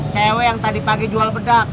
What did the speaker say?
cewek yang tadi pagi jual bedak